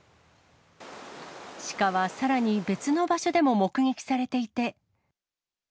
シカはさらに別の場所でも目撃されていて。